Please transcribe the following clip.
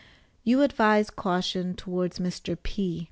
You advise caution towards Mr. P.